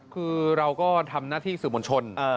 คือเราก็ทำหน้าที่สื่อมวลชน